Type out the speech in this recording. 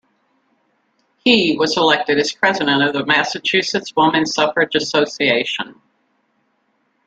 He was elected as president of the Massachusetts Woman Suffrage Association.